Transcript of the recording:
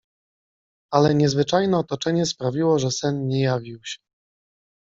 Ale niezwyczajne otoczenie sprawiło, że sen nie jawił się.